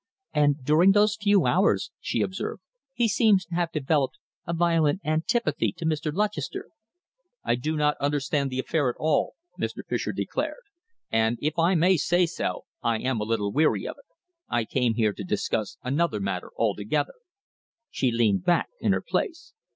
"And during those few hours," she observed, "he seems to have developed a violent antipathy to Mr. Lutchester." "I do not understand the affair at all," Mr. Fischer declared, "and, if I may say so, I am a little weary of it. I came here to discuss another matter altogether." She leaned back in her place.